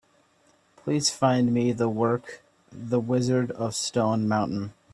Please find me the work, The Wizard of Stone Mountain.